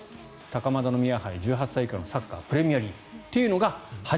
高円宮杯、１８歳以下のサッカープレミアリーグというのが高円宮杯。